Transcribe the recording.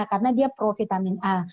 karena dia provitamin a